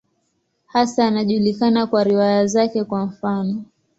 Hasa anajulikana kwa riwaya zake, kwa mfano.